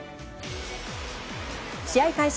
試合開始